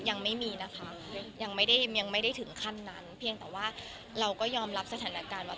ยังไม่มีนะคะยังไม่ได้ยังไม่ได้ถึงขั้นนั้นเพียงแต่ว่าเราก็ยอมรับสถานการณ์ว่า